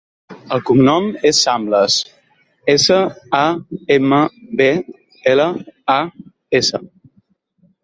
El cognom és Samblas: essa, a, ema, be, ela, a, essa.